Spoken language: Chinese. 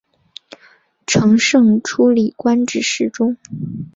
承圣初历官至侍中。